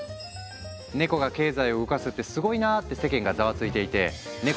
ネコが経済を動かすってすごいなって世間がざわついていてネコ